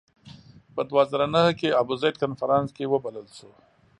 په دوه زره نهه کې ابوزید کنفرانس کې وبلل شو.